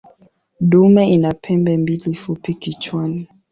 Dume ina pembe mbili fupi kichwani.